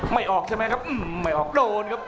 ไม่ออกใช่มั้ยครับอืมไม่ออกโดนครับ